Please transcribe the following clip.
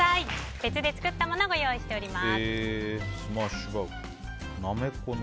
別で作ったものをご用意しています。